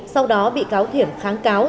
sau đó bị cáo thiểm kháng cáo